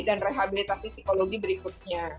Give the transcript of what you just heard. dan rehabilitasi psikologi berikutnya